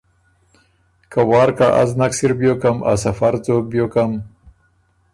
که وار کَۀ از نک سِر بیوکم ا سفر ځوک بیوکم